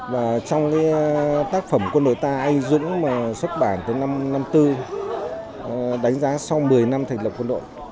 và trong cái tác phẩm quân đội ta anh dũng xuất bản từ năm một nghìn chín trăm năm mươi bốn đánh giá sau một mươi năm thành lập quân đội